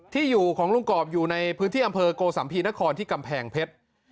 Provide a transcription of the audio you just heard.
ที่อยู่ของลุงกรอบอยู่ในพื้นที่อำเภอโกสัมภีนครที่กำแพงเพชร